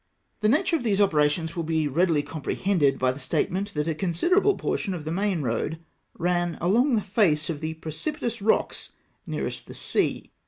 The nature of these operations will be readily com prehended by the statement that a considerable portion of the main road ran along the face of the precipitous rocks nearest the sea.